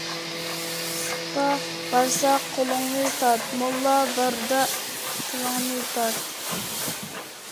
ئۇستا بارسا قولۇڭنى تارت، موللا باردا تىلىڭنى تارت.